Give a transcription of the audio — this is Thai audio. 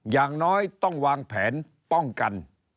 อย่างน้อยต้องวางแผนป้องกัน